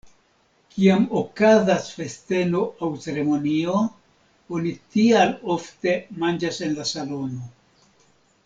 Kiam okazas festeno aŭ ceremonio, oni tial ofte manĝas en la salono.